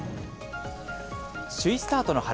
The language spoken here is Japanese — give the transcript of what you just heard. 首位スタートの原。